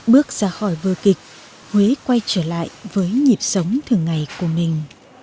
bước ra khỏi vô kịch huế quay trở lại với nhịp sống thường ngày của mình